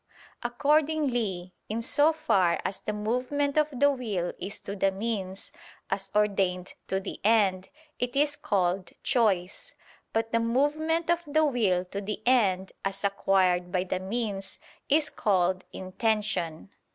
Accordingly, in so far as the movement of the will is to the means, as ordained to the end, it is called "choice": but the movement of the will to the end as acquired by the means, is called "intention."